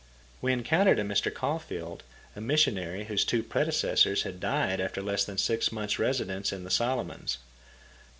We encountered a Mr. Caulfeild, a missionary, whose two predecessors had died after less than six months' residence in the Solomons.